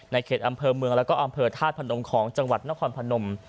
เขตอำเภอเมืองแล้วก็อำเภอธาตุพนมของจังหวัดนครพนม